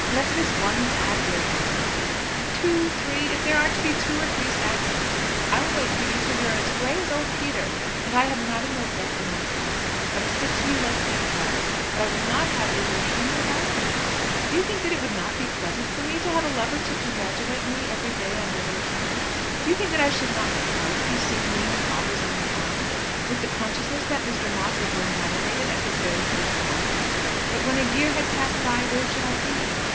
Let this one sad year pass by." "Two three, if there are to be two or three sad years! I will wait for you till you are as grey as old Peter, and I have not a note left in my throat. I will stick to you like beeswax. But I will not have you here hanging about me. Do you think that it would not be pleasant for me to have a lover to congratulate me every day on my little triumphs? Do you think that I should not be proud to be seen leaning always on your arm, with the consciousness that Mr. Moss would be annihilated at his very first word? But when a year had passed by, where should I be?